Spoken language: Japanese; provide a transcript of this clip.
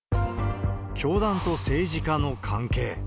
教団と政治家の関係。